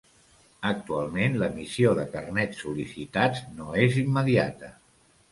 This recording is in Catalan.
Actualment l'emissió de carnets sol·licitats no és immediata.